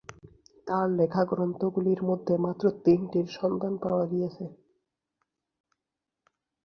তার লেখা গ্রন্থগুলির মধ্যে মাত্র তিনটির সন্ধান পাওয়া গিয়েছে।